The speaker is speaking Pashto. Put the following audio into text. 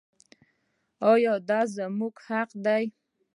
آیا دا زموږ حق دی؟